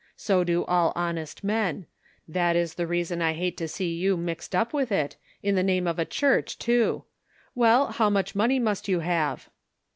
So do all honest men; that is the reason I hate to see you mixed up with it, in the name of a church, tooJ Well, how much money must you have